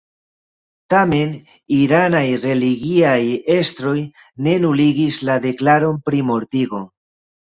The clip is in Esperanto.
Tamen, iranaj religiaj estroj ne nuligis la deklaron pri mortigo.